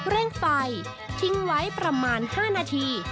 เร่งไฟทิ้งไว้ประมาณ๕นาที